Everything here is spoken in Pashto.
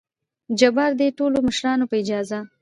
جبار : دې ټولو مشرانو په اجازه!